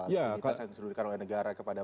likuiditas yang diseluruhkan oleh negara kepada